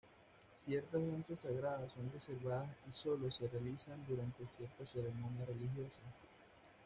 Ciertas danzas sagradas son reservadas y sólo se realizan durante cierta ceremonia religiosa.